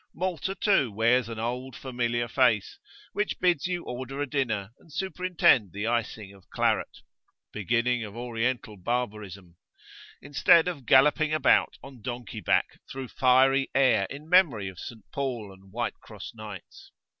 Malta, too, wears an old familiar face, which bids you order a dinner and superintend the iceing of claret (beginning of Oriental barbarism), instead of galloping about on donkey back through fiery air in memory of St. Paul and White Cross Knights.